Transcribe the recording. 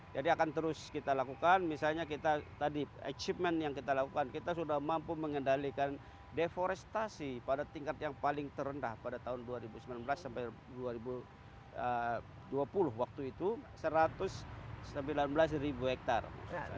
jadi akan terus kita lakukan misalnya kita tadi achievement yang kita lakukan kita sudah mampu mengendalikan deforestasi pada tingkat yang paling terendah pada tahun dua ribu sembilan belas sampai dua ribu dua puluh waktu itu satu ratus sembilan belas ribu hektare